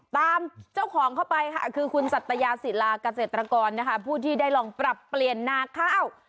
ตามเจ้าของเข้าไปค่ะคือคุณสัตยาศิลาเกษตรกรนะคะผู้ที่ได้ลองปรับเปลี่ยนนาข้าว